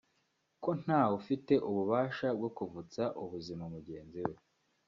ko ntawe ufite ububasha bwo kuvutsa ubuzima mugenzi we